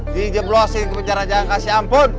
dijeblosin ke penjara jalan kasih ampun